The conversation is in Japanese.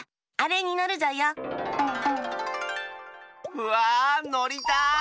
うわのりたい！